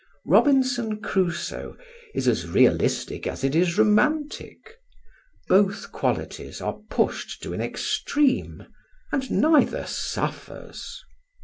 Robinson Crusoe is as realistic as it is romantic: both qualities are pushed to an extreme, and neither suffers.